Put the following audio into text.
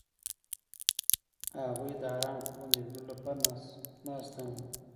هغوی د آرام خوبونو د لیدلو لپاره ناست هم وو.